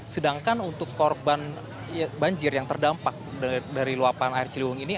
sedangkan untuk korban banjir yang terdampak dari luapan air ciliwung ini